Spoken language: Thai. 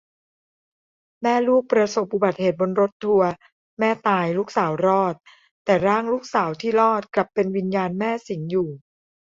แม่ลูกประสบอุบัติเหตุบนรถทัวร์ แม่ตาย ลูกสาวรอด แต่ร่างลูกสาวที่รอดกลับเป็นวิญญาณแม่สิงอยู่